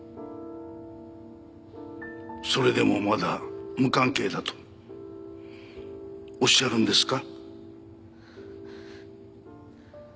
それでもまだ無関係だとおっしゃるんですか？